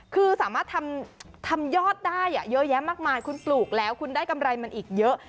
คือสามารถทำยอดได้เยอะแยะมากมายคุณปลูกแล้วคุณได้กำไรมันอีกเยอะ